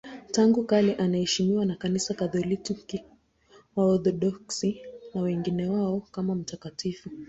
Tangu kale anaheshimiwa na Kanisa Katoliki, Waorthodoksi na wengineo kama mtakatifu.